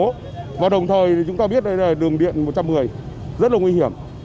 nó chạy phố và đồng thời chúng ta biết đây là đường điện một trăm một mươi rất là nguy hiểm